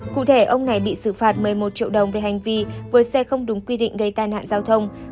cụ thể ông này bị xử phạt một mươi một triệu đồng về hành vi với xe không đúng quy định gây tai nạn giao thông